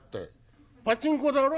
「パチンコだろ？」。